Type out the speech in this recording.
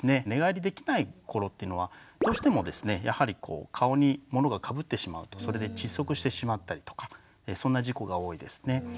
寝返りできない頃っていうのはどうしてもですねやはり顔にものがかぶってしまうとそれで窒息してしまったりとかそんな事故が多いですね。